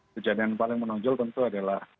kejadian paling menonjol tentu adalah